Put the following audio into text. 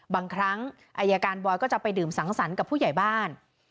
บางครั้งไอยการบอยก็จะดื่มสังสารกับผู้อย่ายบ้าน